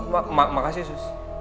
oh makasih sus